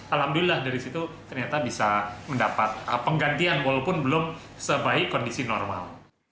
alhamdulillah dari situ ternyata bisa mendapat penggantian walaupun belum sebaik kondisi normal